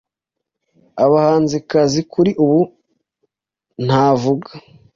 Abahanzikazi kuri ubu navuga